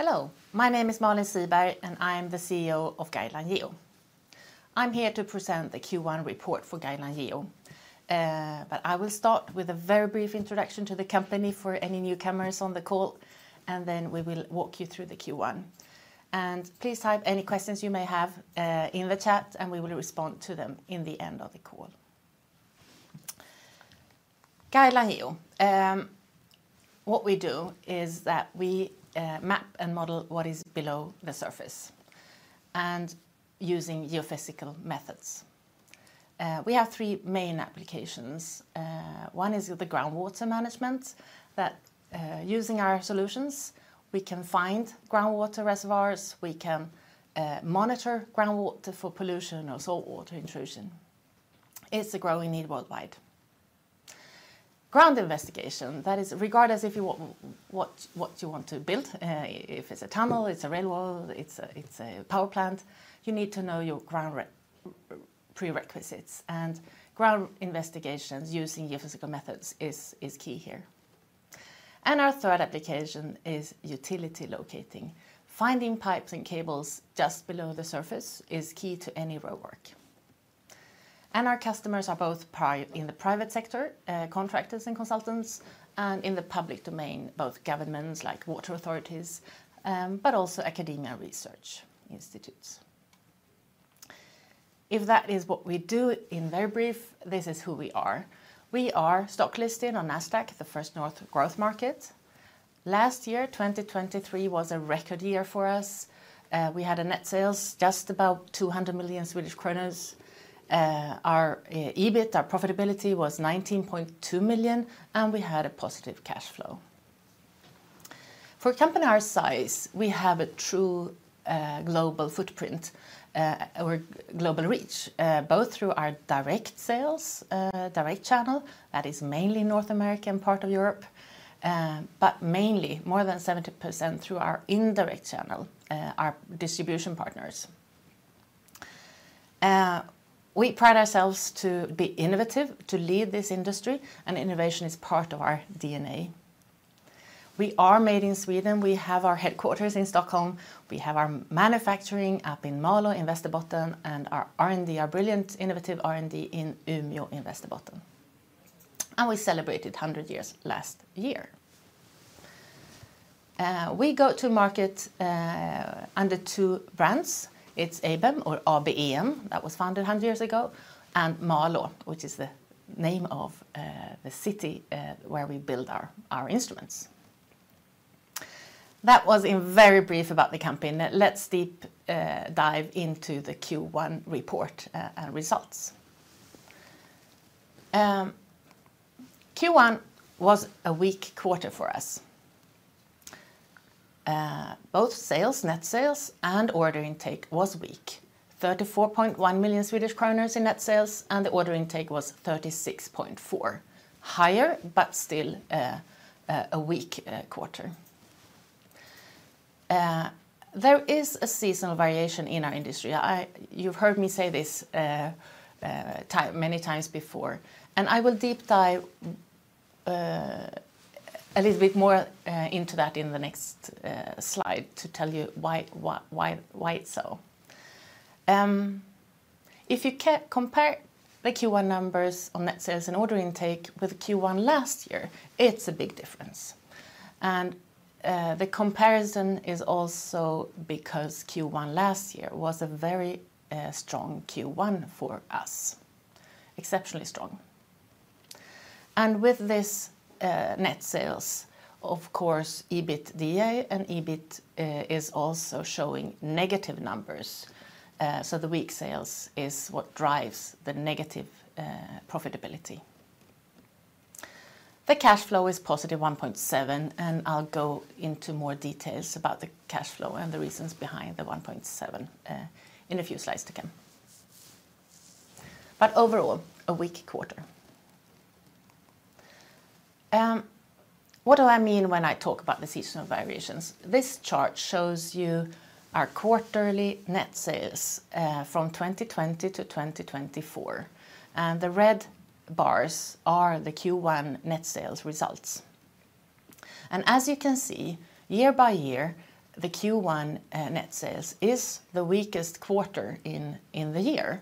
Hello, my name is Malin Siberg and I am the CEO of Guideline Geo. I'm here to present the Q1 report for Guideline Geo, but I will start with a very brief introduction to the company for any newcomers on the call, and then we will walk you through the Q1. Please type any questions you may have in the chat and we will respond to them in the end of the call. Guideline Geo, what we do is that we map and model what is below the surface using geophysical methods. We have three main applications. One is the groundwater management, that using our solutions we can find groundwater reservoirs, we can monitor groundwater for pollution or saltwater intrusion. It's a growing need worldwide. Ground investigation, that is regardless if you want to build, if it's a tunnel, it's a railroad, it's a power plant, you need to know your ground prerequisites. Ground investigations using geophysical methods is key here. Our third application is utility locating. Finding pipes and cables just below the surface is key to any roadwork. Our customers are both in the private sector, contractors and consultants, and in the public domain, both governments like water authorities, but also academia research institutes. If that is what we do in very brief, this is who we are. We are stock listed on Nasdaq First North Growth Market. Last year, 2023, was a record year for us. We had net sales just about 200 million Swedish kronor. Our EBIT, our profitability, was 19.2 million and we had a positive cash flow. For a company our size, we have a true global footprint, our global reach, both through our direct sales, direct channel, that is mainly North America, part of Europe, but mainly more than 70% through our indirect channel, our distribution partners. We pride ourselves to be innovative, to lead this industry, and innovation is part of our DNA. We are made in Sweden, we have our headquarters in Stockholm, we have our manufacturing up in Malå, in Västerbotten, and our R&D, our brilliant innovative R&D in Umeå, in Västerbotten. And we celebrated 100 years last year. We go to market under two brands. It's ABEM, or ABEM, that was founded 100 years ago, and MALÅ, which is the name of the city where we build our instruments. That was in very brief about the company. Let's deep dive into the Q1 report and results. Q1 was a weak quarter for us. Both sales, net sales, and order intake was weak. 34.1 million Swedish kronor in net sales and the order intake was 36.4 million. Higher but still a weak quarter. There is a seasonal variation in our industry. You've heard me say this many times before, and I will deep dive a little bit more into that in the next slide to tell you why it's so. If you compare the Q1 numbers on net sales and order intake with Q1 last year, it's a big difference. The comparison is also because Q1 last year was a very strong Q1 for us, exceptionally strong. With this net sales, of course, EBITDA and EBIT is also showing negative numbers. The weak sales is what drives the negative profitability. The cash flow is +1.7, and I'll go into more details about the cash flow and the reasons behind the 1.7 in a few slides to come. But overall, a weak quarter. What do I mean when I talk about the seasonal variations? This chart shows you our quarterly net sales from 2020-2024. The red bars are the Q1 net sales results. As you can see, year by year, the Q1 net sales is the weakest quarter in the year,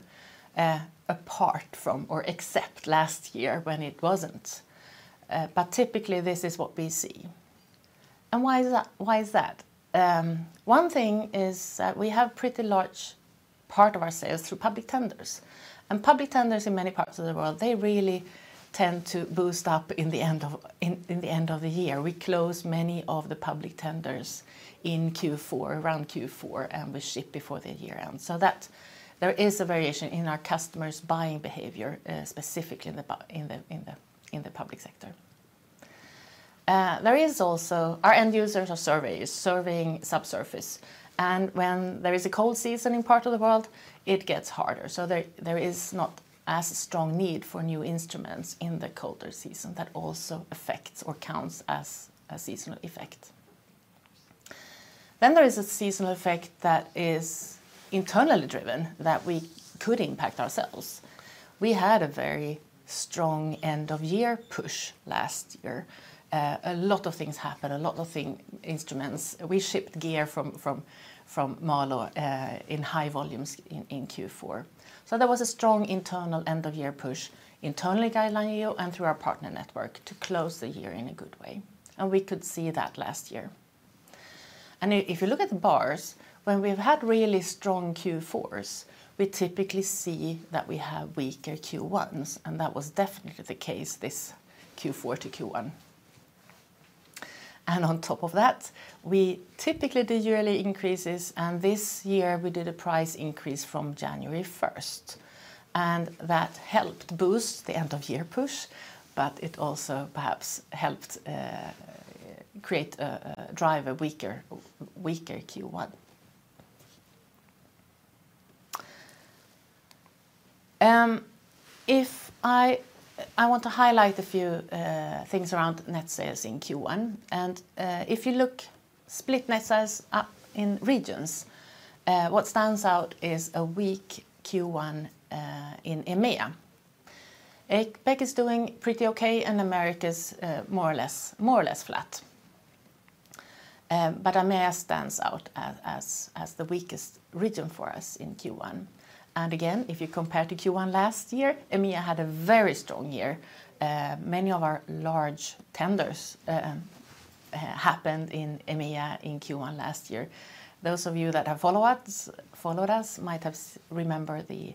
apart from or except last year when it wasn't. But typically this is what we see. Why is that? One thing is that we have a pretty large part of our sales through public tenders. Public tenders in many parts of the world, they really tend to boost up in the end of the year. We close many of the public tenders in Q4, around Q4, and we ship before the year ends. So there is a variation in our customers' buying behavior, specifically in the public sector. There is also our end users are surveying, surveying subsurface. And when there is a cold season in part of the world, it gets harder. So there is not as strong need for new instruments in the colder season that also affects or counts as a seasonal effect. Then there is a seasonal effect that is internally driven, that we could impact ourselves. We had a very strong end-of-year push last year. A lot of things happened, a lot of instruments. We shipped gear from Malå in high volumes in Q4. So there was a strong internal end-of-year push internally at Guideline Geo and through our partner network to close the year in a good way. We could see that last year. If you look at the bars, when we've had really strong Q4s, we typically see that we have weaker Q1s. That was definitely the case this Q4 to Q1. On top of that, we typically did yearly increases. This year we did a price increase from January 1st. That helped boost the end-of-year push, but it also perhaps helped create a drive, a weaker Q1. If I want to highlight a few things around net sales in Q1. If you look split net sales up in regions, what stands out is a weak Q1 in EMEA. APEC is doing pretty okay and America is more or less flat. But EMEA stands out as the weakest region for us in Q1. Again, if you compare to Q1 last year, EMEA had a very strong year. Many of our large tenders happened in EMEA in Q1 last year. Those of you that have followed us might remember the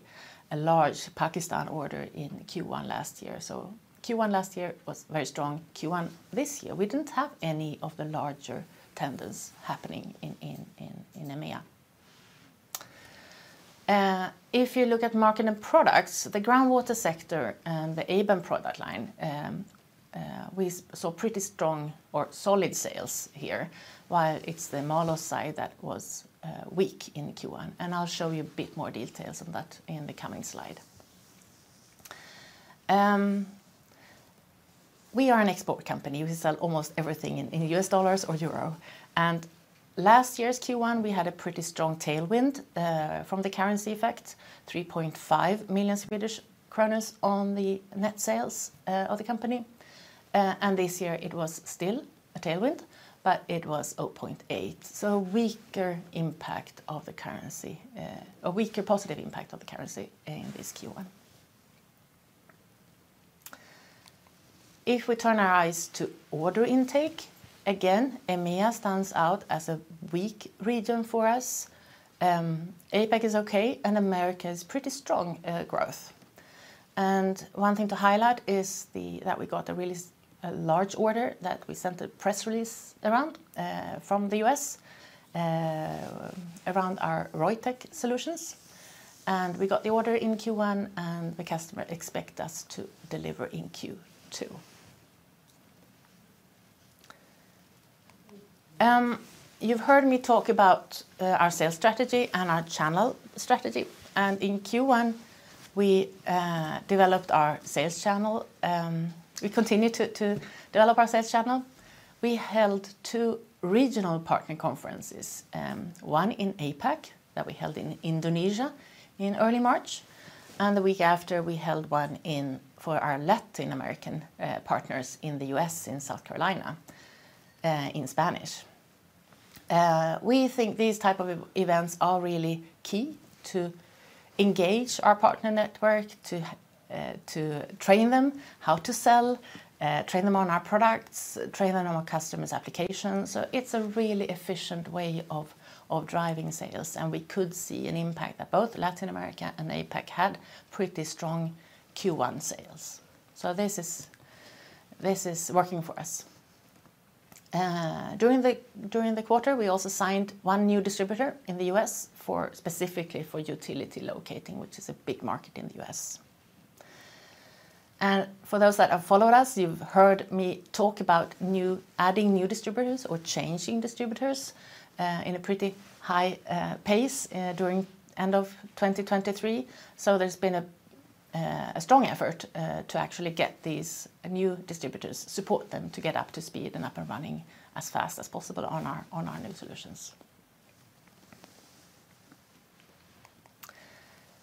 large Pakistan order in Q1 last year. So Q1 last year was very strong. Q1 this year, we didn't have any of the larger tenders happening in EMEA. If you look at market and products, the groundwater sector and the ABEM product line, we saw pretty strong or solid sales here, while it's the MALÅ side that was weak in Q1. And I'll show you a bit more details on that in the coming slide. We are an export company. We sell almost everything in U.S. dollars or euro. And last year's Q1, we had a pretty strong tailwind from the currency effect, 3.5 million Swedish kronor on the net sales of the company. And this year it was still a tailwind, but it was 0.8 million. Weaker impact of the currency, a weaker positive impact of the currency in this Q1. If we turn our eyes to order intake, again, EMEA stands out as a weak region for us. APEC is okay and America is pretty strong growth. One thing to highlight is that we got a really large order that we sent a press release around from the U.S. around our RockTech solutions. We got the order in Q1 and the customer expects us to deliver in Q2. You've heard me talk about our sales strategy and our channel strategy. In Q1, we developed our sales channel. We continue to develop our sales channel. We held two regional partner conferences, one in APEC that we held in Indonesia in early March. The week after, we held one for our Latin American partners in the U.S., in South Carolina, in Spanish. We think these types of events are really key to engage our partner network, to train them how to sell, train them on our products, train them on our customers' applications. So it's a really efficient way of driving sales. We could see an impact that both Latin America and APEC had pretty strong Q1 sales. So this is working for us. During the quarter, we also signed one new distributor in the U.S., specifically for utility locating, which is a big market in the U.S. For those that have followed us, you've heard me talk about adding new distributors or changing distributors in a pretty high pace during the end of 2023. So there's been a strong effort to actually get these new distributors, support them to get up to speed and up and running as fast as possible on our new solutions.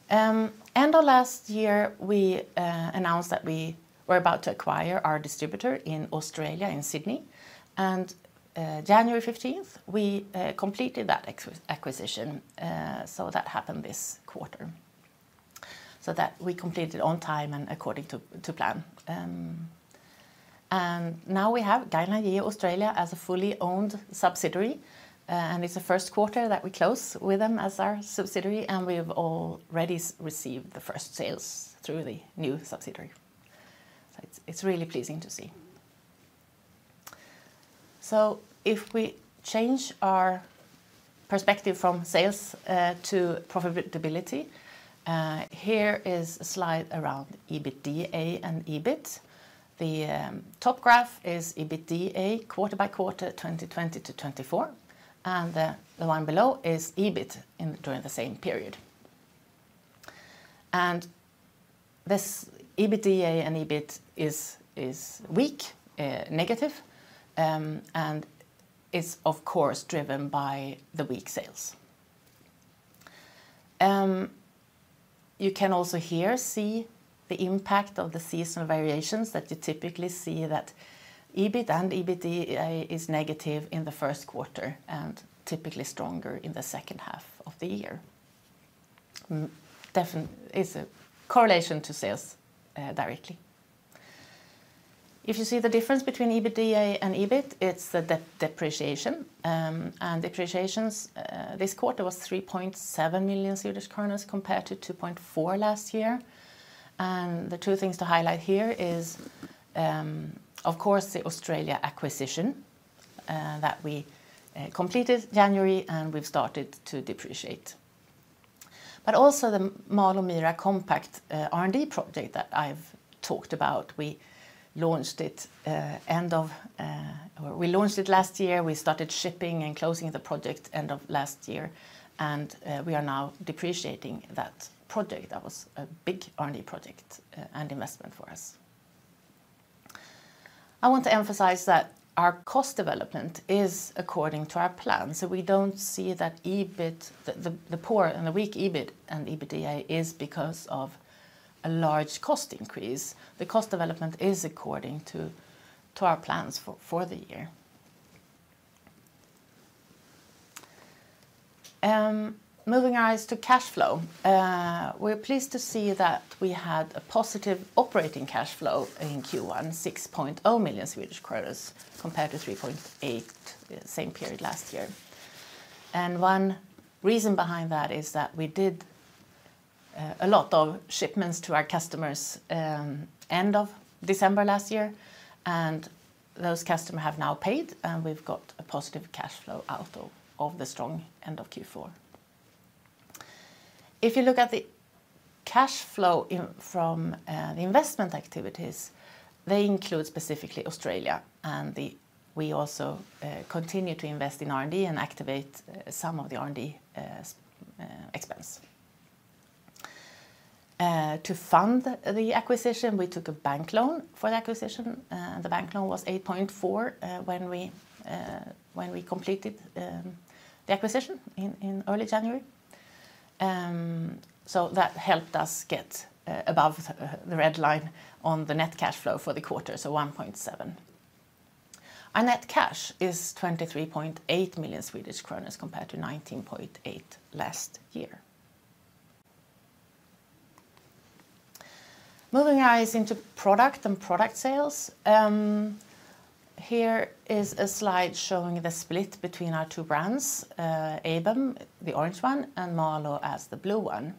End of last year, we announced that we were about to acquire our distributor in Australia, in Sydney. January 15th, we completed that acquisition. That happened this quarter. That we completed it on time and according to plan. Now we have Guideline Geo Australia as a fully owned subsidiary. It's the first quarter that we close with them as our subsidiary. We've already received the first sales through the new subsidiary. It's really pleasing to see. If we change our perspective from sales to profitability, here is a slide around EBITDA and EBIT. The top graph is EBITDA quarter by quarter 2020 to 2024. The one below is EBIT during the same period. This EBITDA and EBIT is weak, negative. It's, of course, driven by the weak sales. You can also here see the impact of the seasonal variations that you typically see that EBIT and EBITDA is negative in the first quarter and typically stronger in the second half of the year. It's a correlation to sales directly. If you see the difference between EBITDA and EBIT, it's the depreciation. And depreciation, this quarter was 3.7 million Swedish kronor compared to 2.4 million last year. And the two things to highlight here is, of course, the Australia acquisition that we completed January and we've started to depreciate. But also the MALÅ MIRA Compact R&D project that I've talked about. We launched it, or we launched it last year. We started shipping and closing the project end of last year. And we are now depreciating that project. That was a big R&D project and investment for us. I want to emphasize that our cost development is according to our plan. So we don't see that EBIT, the poor and the weak EBIT and EBITDA is because of a large cost increase. The cost development is according to our plans for the year. Moving our eyes to cash flow, we're pleased to see that we had a positive operating cash flow in Q1, 6.0 million Swedish kronor compared to 3.8 million, same period last year. And one reason behind that is that we did a lot of shipments to our customers end of December last year. And those customers have now paid. And we've got a positive cash flow out of the strong end of Q4. If you look at the cash flow from the investment activities, they include specifically Australia. And we also continue to invest in R&D and activate some of the R&D expense. To fund the acquisition, we took a bank loan for the acquisition. The bank loan was 8.4 million when we completed the acquisition in early January. That helped us get above the red line on the net cash flow for the quarter, 1.7 million. Our net cash is 23.8 million Swedish kronor compared to 19.8 million last year. Moving our eyes into product and product sales, here is a slide showing the split between our two brands, ABEM, the orange one, and MALÅ as the blue one.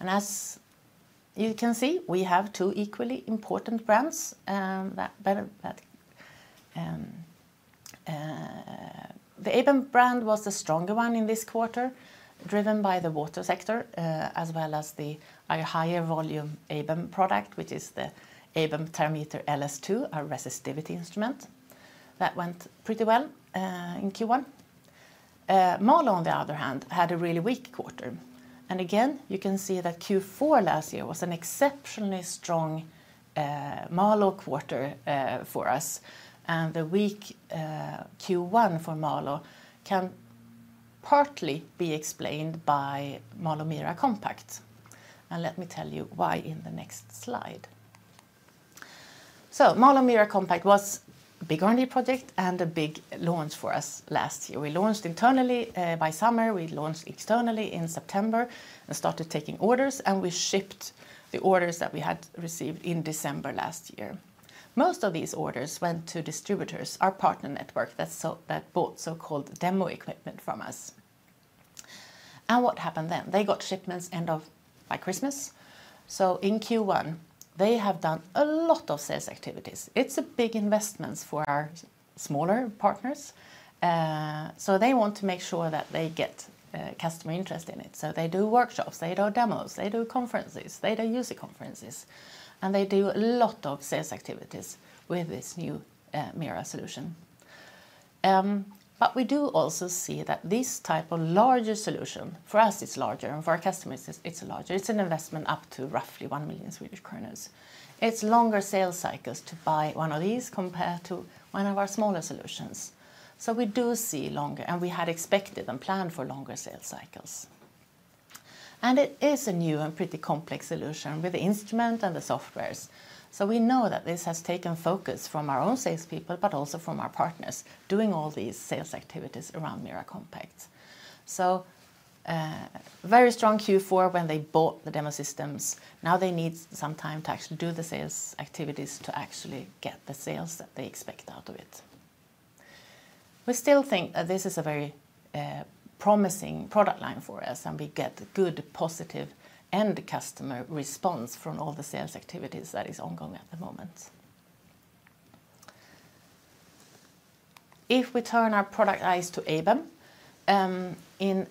As you can see, we have two equally important brands. The ABEM brand was the stronger one in this quarter, driven by the water sector, as well as our higher volume ABEM product, which is the ABEM Terrameter LS 2, our resistivity instrument. That went pretty well in Q1. MALÅ, on the other hand, had a really weak quarter. Again, you can see that Q4 last year was an exceptionally strong MALÅ quarter for us. The weak Q1 for MALÅ can partly be explained by MALÅ MIRA Compact. Let me tell you why in the next slide. MALÅ MIRA Compact was a big R&D project and a big launch for us last year. We launched internally by summer. We launched externally in September and started taking orders. We shipped the orders that we had received in December last year. Most of these orders went to distributors, our partner network that bought so-called demo equipment from us. What happened then? They got shipments end of year by Christmas. In Q1, they have done a lot of sales activities. It's a big investment for our smaller partners. They want to make sure that they get customer interest in it. They do workshops. They do demos. They do conferences. They do user conferences. And they do a lot of sales activities with this new MIRA solution. But we do also see that this type of larger solution, for us it's larger and for our customers it's larger. It's an investment up to roughly 1 million Swedish kronor. It's longer sales cycles to buy one of these compared to one of our smaller solutions. So we do see longer, and we had expected and planned for longer sales cycles. And it is a new and pretty complex solution with the instrument and the softwares. So we know that this has taken focus from our own salespeople, but also from our partners doing all these sales activities around MIRA Compact. So very strong Q4 when they bought the demo systems. Now they need some time to actually do the sales activities to actually get the sales that they expect out of it. We still think that this is a very promising product line for us. We get good, positive end customer response from all the sales activities that is ongoing at the moment. If we turn our product eyes to ABEM, at the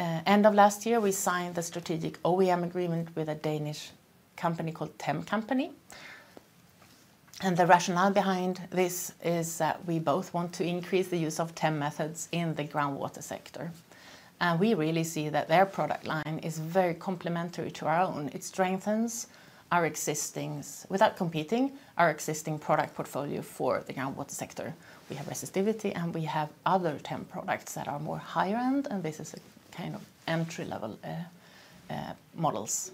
end of last year, we signed the strategic OEM agreement with a Danish company called TEMcompany. The rationale behind this is that we both want to increase the use of TEM methods in the groundwater sector. We really see that their product line is very complementary to our own. It strengthens our existing, without competing, our existing product portfolio for the groundwater sector. We have resistivity and we have other TEM products that are more higher end. This is a kind of entry-level models.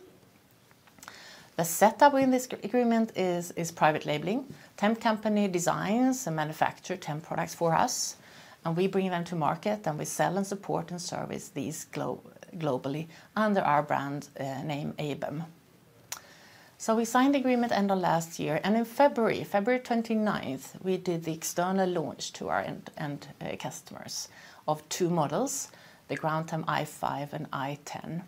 The setup in this agreement is private labeling. TEMcompany designs and manufactures TEM products for us. And we bring them to market and we sell and support and service these globally under our brand name ABEM. We signed the agreement end of last year. In February, February 29th, we did the external launch to our end customers of two models, the GroundTEM i5 and i10.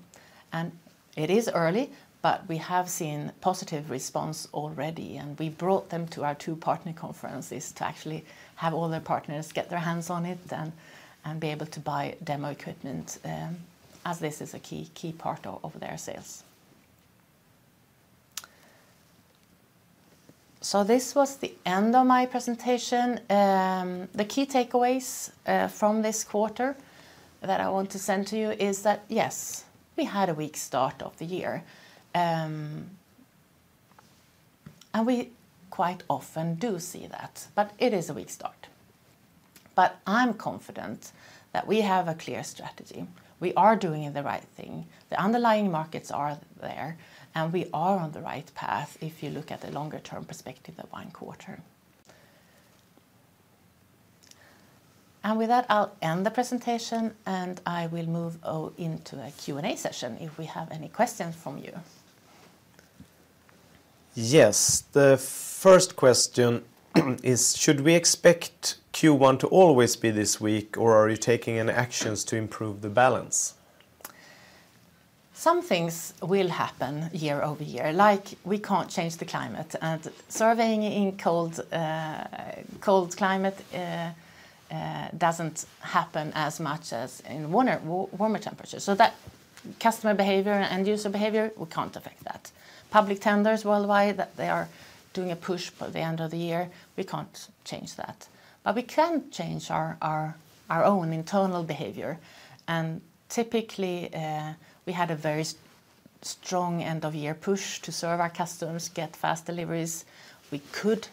It is early, but we have seen positive response already. We brought them to our two partner conferences to actually have all their partners get their hands on it and be able to buy demo equipment, as this is a key part of their sales. This was the end of my presentation. The key takeaways from this quarter that I want to send to you is that, yes, we had a weak start of the year. We quite often do see that, but it is a weak start. I'm confident that we have a clear strategy. We are doing the right thing. The underlying markets are there. We are on the right path if you look at the longer-term perspective of one quarter. With that, I'll end the presentation. I will move into a Q&A session if we have any questions from you. Yes. The first question is, should we expect Q1 to always be this weak? Or are you taking any actions to improve the balance? Some things will happen year-over-year. Like we can't change the climate. Surveying in cold climate doesn't happen as much as in warmer temperatures. That customer behavior and end user behavior, we can't affect that. Public tenders worldwide, that they are doing a push by the end of the year, we can't change that. We can change our own internal behavior. Typically, we had a very strong end-of-year push to serve our customers, get fast deliveries. We could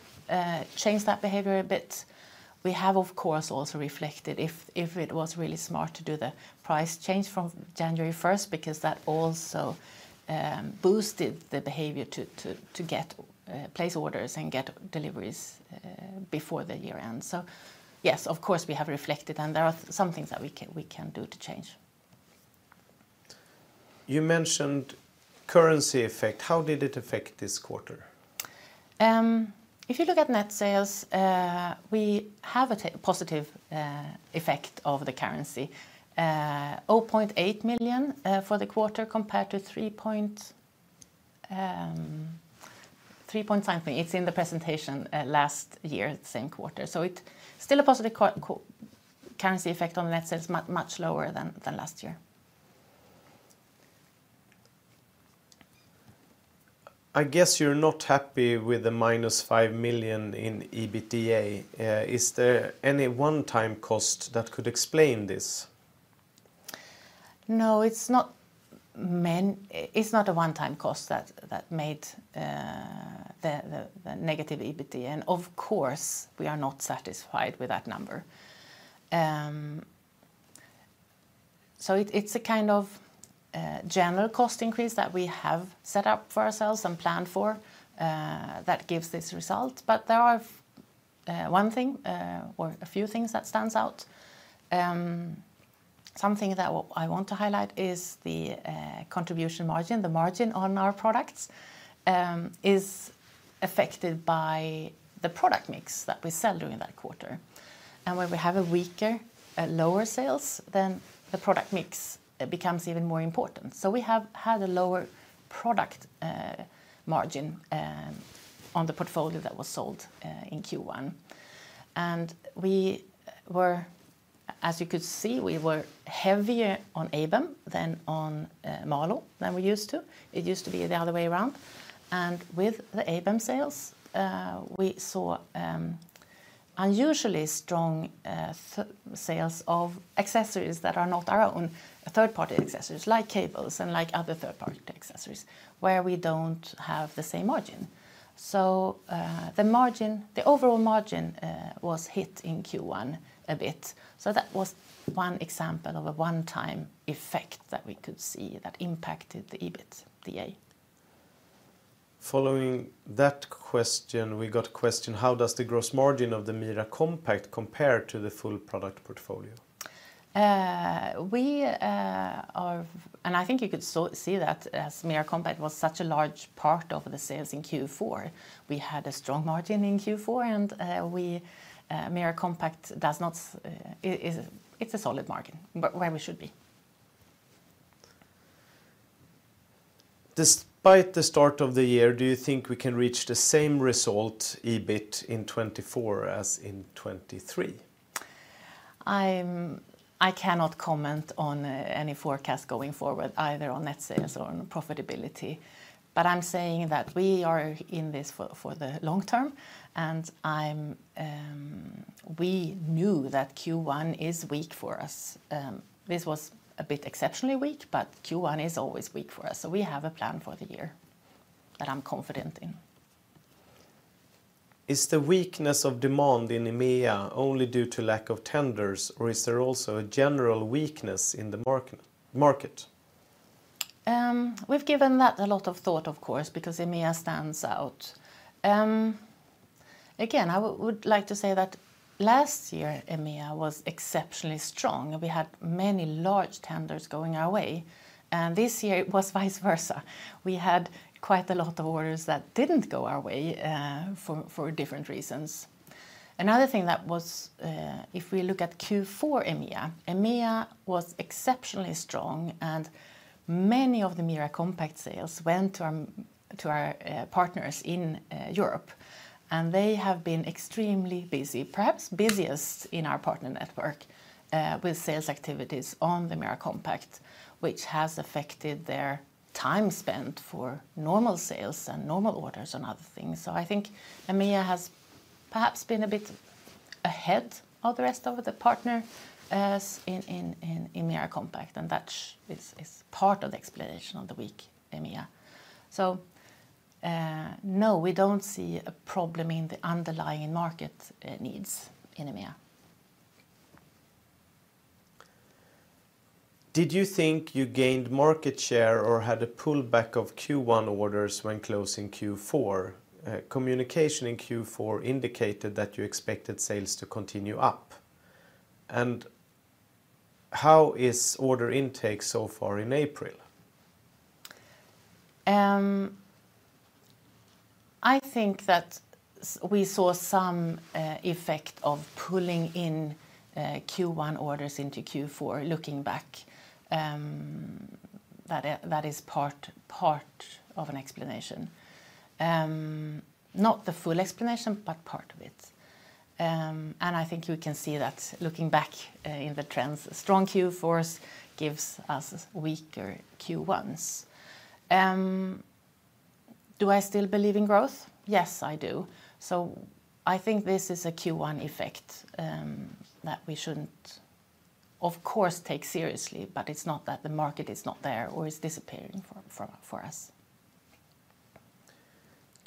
change that behavior a bit. We have, of course, also reflected if it was really smart to do the price change from January 1st because that also boosted the behavior to place orders and get deliveries before the year end. Yes, of course, we have reflected. There are some things that we can do to change. You mentioned currency effect. How did it affect this quarter? If you look at net sales, we have a positive effect of the currency. 0.8 million for the quarter compared to 3.3 million something. It's in the presentation last year, same quarter. So it's still a positive currency effect on net sales, much lower than last year. I guess you're not happy with the -5 million in EBITDA. Is there any one-time cost that could explain this? No, it's not a one-time cost that made the negative EBITDA. Of course, we are not satisfied with that number. It's a kind of general cost increase that we have set up for ourselves and planned for that gives this result. But there are one thing or a few things that stands out. Something that I want to highlight is the contribution margin. The margin on our products is affected by the product mix that we sell during that quarter. And when we have a weaker, lower sales than the product mix, it becomes even more important. So we have had a lower product margin on the portfolio that was sold in Q1. And we were, as you could see, we were heavier on ABEM than on MALÅ than we used to. It used to be the other way around. With the ABEM sales, we saw unusually strong sales of accessories that are not our own, third-party accessories like cables and like other third-party accessories where we don't have the same margin. The overall margin was hit in Q1 a bit. That was one example of a one-time effect that we could see that impacted the EBITDA. Following that question, we got a question, how does the gross margin of the MIRA Compact compare to the full product portfolio? I think you could see that as MIRA Compact was such a large part of the sales in Q4, we had a strong margin in Q4. MIRA Compact does not, it's a solid margin where we should be. Despite the start of the year, do you think we can reach the same result EBIT in 2024 as in 2023? I cannot comment on any forecast going forward, either on net sales or on profitability. I'm saying that we are in this for the long term. We knew that Q1 is weak for us. This was a bit exceptionally weak, but Q1 is always weak for us. We have a plan for the year that I'm confident in. Is the weakness of demand in EMEA only due to lack of tenders? Or is there also a general weakness in the market? We've given that a lot of thought, of course, because EMEA stands out. Again, I would like to say that last year, EMEA was exceptionally strong. We had many large tenders going our way. And this year, it was vice versa. We had quite a lot of orders that didn't go our way for different reasons. Another thing that was, if we look at Q4 EMEA, EMEA was exceptionally strong. And many of the MALÅ MIRA Compact sales went to our partners in Europe. And they have been extremely busy, perhaps busiest in our partner network with sales activities on the MALÅ MIRA Compact, which has affected their time spent for normal sales and normal orders and other things. So I think EMEA has perhaps been a bit ahead of the rest of the partners in MALÅ MIRA Compact. And that is part of the explanation of the weak EMEA. So no, we don't see a problem in the underlying market needs in EMEA. Did you think you gained market share or had a pullback of Q1 orders when closing Q4? Communication in Q4 indicated that you expected sales to continue up. How is order intake so far in April? I think that we saw some effect of pulling in Q1 orders into Q4, looking back. That is part of an explanation. Not the full explanation, but part of it. And I think we can see that looking back in the trends, strong Q4s gives us weaker Q1s. Do I still believe in growth? Yes, I do. So I think this is a Q1 effect that we shouldn't, of course, take seriously. But it's not that the market is not there or is disappearing for us.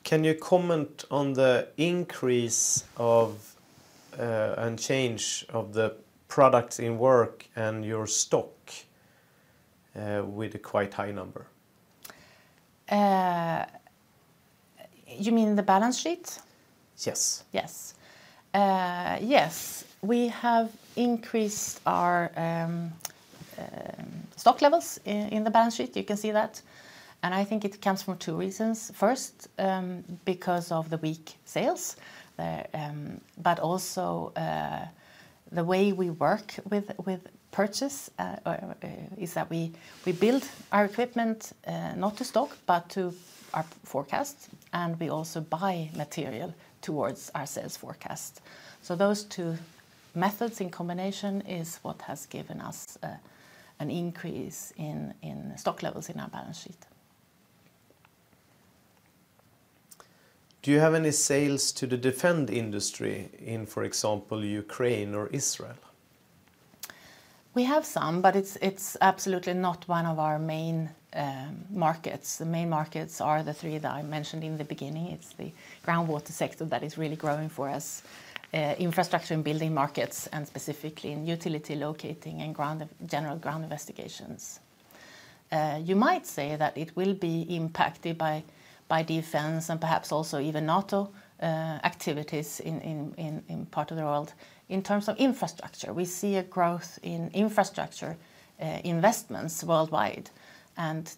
Can you comment on the increase and change of the products in work and your stock with a quite high number? You mean the balance sheet? Yes. Yes. Yes, we have increased our stock levels in the balance sheet. You can see that. And I think it comes from two reasons. First, because of the weak sales. But also the way we work with purchase is that we build our equipment not to stock, but to our forecast. And we also buy material towards our sales forecast. So those two methods in combination is what has given us an increase in stock levels in our balance sheet. Do you have any sales to the defense industry in, for example, Ukraine or Israel? We have some, but it's absolutely not one of our main markets. The main markets are the three that I mentioned in the beginning. It's the groundwater sector that is really growing for us, infrastructure and building markets, and specifically in utility locating and general ground investigations. You might say that it will be impacted by defense and perhaps also even NATO activities in part of the world in terms of infrastructure. We see a growth in infrastructure investments worldwide.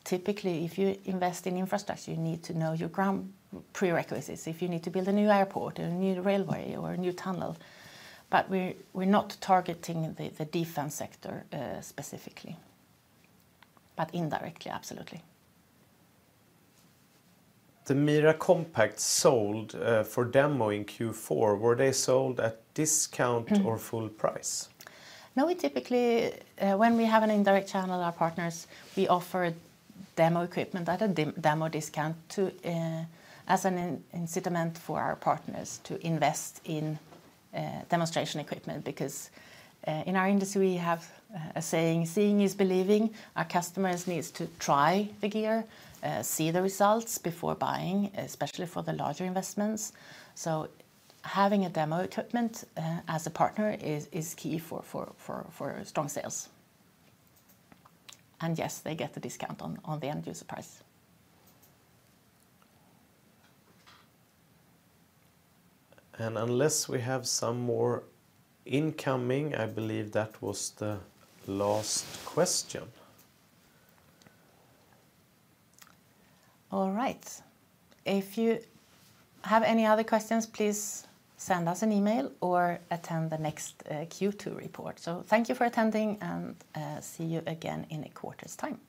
Typically, if you invest in infrastructure, you need to know your ground prerequisites. If you need to build a new airport or a new railway or a new tunnel. But we're not targeting the defense sector specifically. But indirectly, absolutely. The MIRA Compact sold for demo in Q4. Were they sold at discount or full price? No, we typically, when we have an indirect channel with our partners, we offer demo equipment at a demo discount as an incentive for our partners to invest in demonstration equipment. Because in our industry, we have a saying, seeing is believing. Our customers need to try the gear, see the results before buying, especially for the larger investments. So having demo equipment as a partner is key for strong sales. And yes, they get the discount on the end user price. Unless we have some more incoming, I believe that was the last question. All right. If you have any other questions, please send us an email or attend the next Q2 report. Thank you for attending. See you again in a quarter's time.